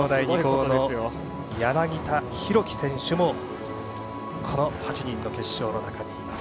柳田大輝選手もこの８人の決勝の中にいます。